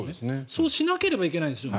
そうしなければいけないんですよ